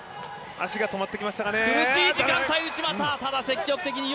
足が止まってきましたかね。